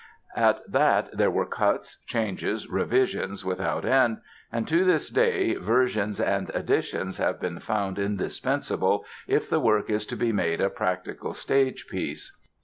At that there were cuts, changes, revisions without end, and to this day versions and "editions" have been found indispensable if the work is to be made a practical stage piece.